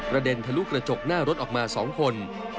เด็นทะลุกระจกหน้ารถออกมา๒คน